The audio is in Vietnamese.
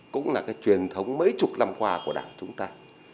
cũng là cái truyền thống mấy chục năm qua của đảng chúng ta